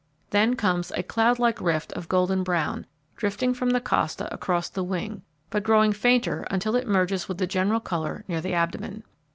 Then comes a cloudlike rift of golden brown, drifting from the costa across the wing, but, growing fainter until it merges with the general colour near the abdomen.